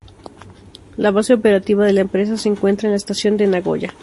La base operativa de la empresa se encuentra en la estación de Nagoya.